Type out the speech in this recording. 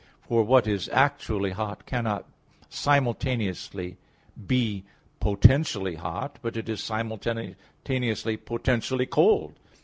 For what is actually hot cannot simultaneously be potentially hot; but it is simultaneously potentially cold.